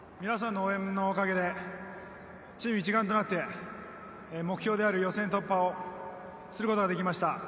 皆さんの応援のおかげでチーム一丸となって目標である予選突破をすることができました。